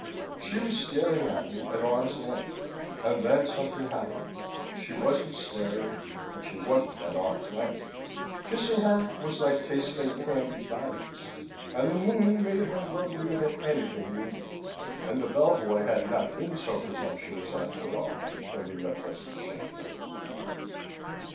She was staring at me, at arm's length. And then something happened. She wasn't staring and she wasn't at arm's length. Kissing her was like tasting candied violets; and the Moon made her lovelier than anything human; and the bellboy had not been so presumptuous, after all, when he left us the champagne.